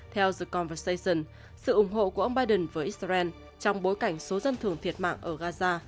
theo the con sation sự ủng hộ của ông biden với israel trong bối cảnh số dân thường thiệt mạng ở gaza